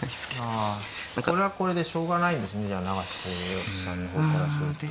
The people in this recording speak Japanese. あこれはこれでしょうがないんですね永瀬さんの方からすると。